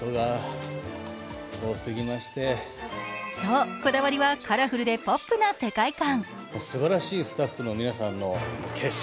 そう、こだわりはカラフルでポップな世界観。